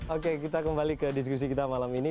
oke kita kembali ke diskusi kita malam ini